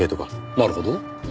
なるほど。